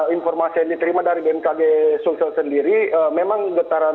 informasi yang diterima dari bmkg sulsel sendiri memang getaran